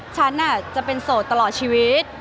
ฉันจะเป็นโสดตลอดชีวิต